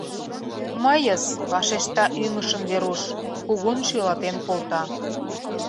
— Мыйыс, — вашешта ӱҥышын Веруш, кугун шӱлалтен колта.